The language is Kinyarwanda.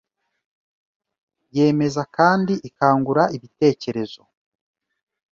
yemeza kandi ikangura ibitekerezo